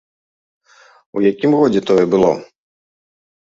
У якім годзе тое было?